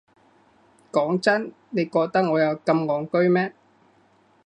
講真，你覺得我有咁戇居咩？